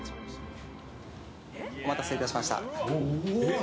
お待たせいたしました。